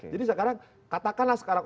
jadi sekarang katakanlah sekarang